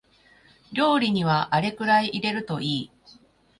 料理にはあれくらい入れるといい